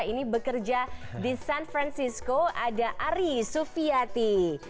ini bekerja di san francisco ada ari sufiati